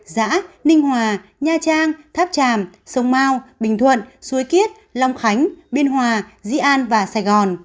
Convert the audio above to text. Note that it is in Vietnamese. xã ninh hòa nha trang tháp tràm sông mau bình thuận suối kiết long khánh biên hòa di an và sài gòn